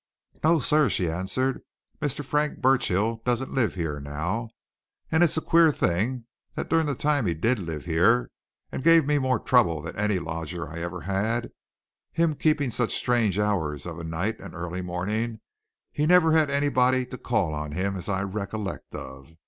"No, sir," she answered. "Mr. Frank Burchill doesn't live here now. And it's a queer thing that during the time he did live here and gave me more trouble than any lodger I ever had, him keeping such strange hours of a night and early morning, he never had nobody to call on him, as I recollect of!